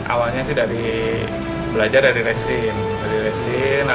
awalnya sih dari belajar dari resin